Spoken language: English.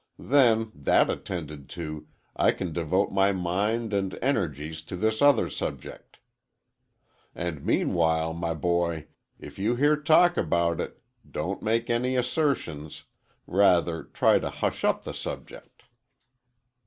Then, that attended to, I can devote my mind and energies to this other subject. And meanwhile, my boy, if you hear talk about it, don't make any assertions,—rather, try to hush up the subject."